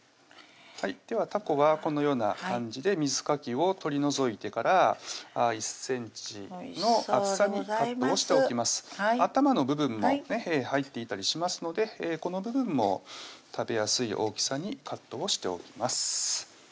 ではたこはこのような感じで水かきを取り除いてから１ｃｍの厚さにカットをしておきます頭の部分も入っていたりしますのでこの部分も食べやすい大きさにカットをしておきます